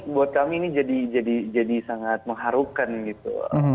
buat kami ini jadi sangat mengharukan gitu